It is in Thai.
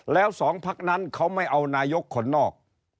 แล้วสองพักนั้นเขาไม่เอานายกคนนอก